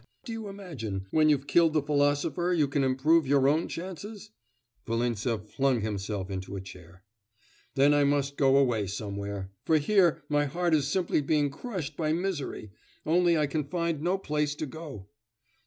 do you imagine, when you've killed the philosopher, you can improve your own chances?' Volintsev flung himself into a chair. 'Then I must go away somewhere! For here my heart is simply being crushed by misery; only I can find no place to go.